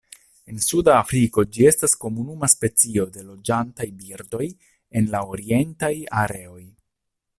En suda Afriko ĝi estas komuna specio de loĝantaj birdoj en la orientaj areoj.